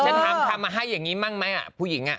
ทำทำมาให้อย่างนี้บ้างไหมผู้หญิง